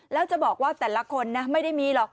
แล้วจะบอกว่าแต่ละคนนะไม่ได้มีหรอก